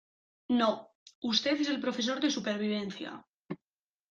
¡ no! usted es el profesor de supervivencia.